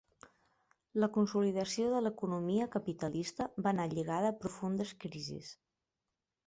La consolidació de l'economia capitalista va anar lligada a profundes crisis.